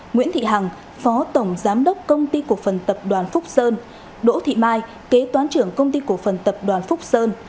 nguyễn thị hằng phó tổng giám đốc công ty cổ phần tập đoàn phúc sơn đỗ thị mai kế toán trưởng công ty cổ phần tập đoàn phúc sơn